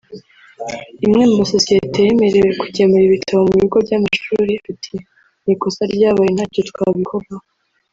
imwe mu masosiyete yemerewe kugemura ibitabo mu bigo by’amashuri ati “ni ikosa ryabaye ntacyo twabikoraho